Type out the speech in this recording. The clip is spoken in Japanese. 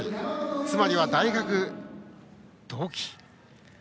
つまりは、大学同期。